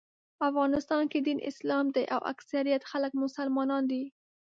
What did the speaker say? افغانستان کې دین اسلام دی او اکثریت خلک مسلمانان دي.